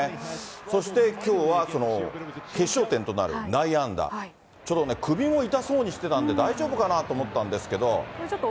そしてきょうはその決勝点となる内野安打、ちょっと首も痛そうにしてたんで、大丈夫かなと思ったんですけど。